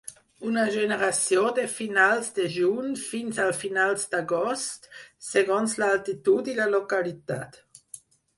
Una generació de finals de juny fins a finals d'agost, segons l'altitud i la localitat.